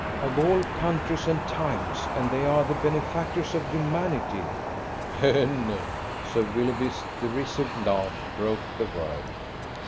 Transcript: "Of all countries and times. And they are the benefactors of humanity." "Bene !" Sir Willoughby's derisive laugh broke the word.